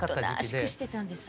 おとなしくしてたんです。